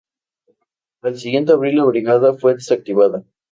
Al siguiente abril la brigada fue desactivada.